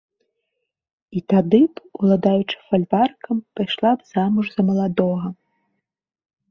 І тады б, уладаючы фальваркам, пайшла б замуж за маладога.